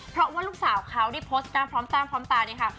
เพราะว่าลูกสาวเค้าพอสแป๊บใจพร้อมตาในค่ะ